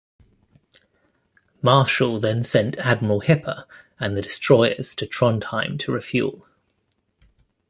Marschall then sent "Admiral Hipper" and the destroyers to Trondheim to refuel.